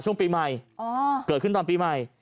ช่วงปีใหม่เกิดขึ้นตอนปีใหม่